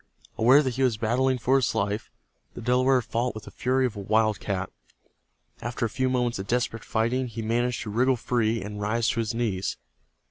Aware that he was battling for his life, the Delaware fought with the fury of a wildcat. After a few moments of desperate fighting he managed to wriggle free, and rise to his knees.